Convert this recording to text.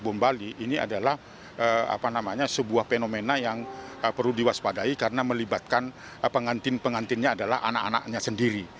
bom bali ini adalah sebuah fenomena yang perlu diwaspadai karena melibatkan pengantin pengantinnya adalah anak anaknya sendiri